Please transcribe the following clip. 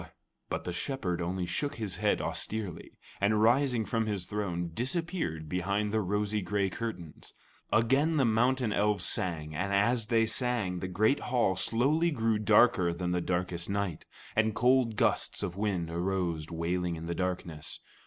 But the Shepherd only shook his head austerely, and rising from his throne, disappeared behind the rose gray curtains. Again the mountain elves sang, and as they sang, the great hall slowly grew darker than the darkest night, and cold gusts of wind arose wailing in the darkness.